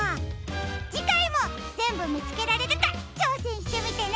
じかいもぜんぶみつけられるかちょうせんしてみてね！